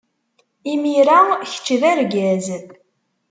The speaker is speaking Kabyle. Imir-a, kečč d argaz.